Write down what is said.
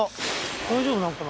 大丈夫なのかな